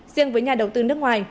riêng với nhà đầu tư nước ngoài